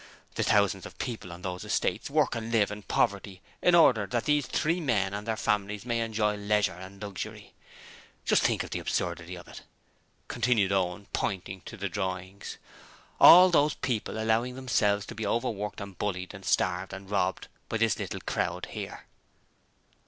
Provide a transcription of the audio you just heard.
The thousands of people on those estates work and live in poverty in order that these three men and their families may enjoy leisure and luxury. Just think of the absurdity of it!' continued Owen, pointing to the drawings. 'All those people allowing themselves to be overworked and bullied and starved and robbed by this little crowd here!'